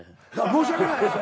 申し訳ないです。